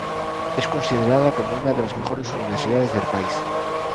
Es considerada como una de las mejores universidades del país.